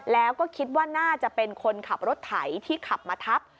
แล้วก็คิดว่าน่าจะเป็นคนขับรถไถที่ขับมาทับ